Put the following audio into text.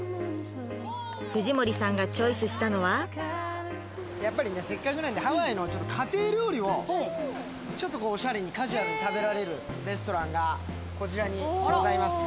藤森さんがチョイスしたのはやっぱりねせっかくなんでハワイの家庭料理をちょっとこうオシャレにカジュアルに食べられるレストランがこちらにございます